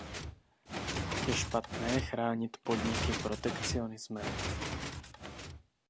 Je špatné chránit podniky protekcionismem.